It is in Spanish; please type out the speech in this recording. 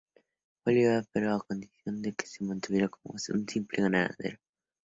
Fue liberado, pero a condición de que se mantuviera como un simple granadero.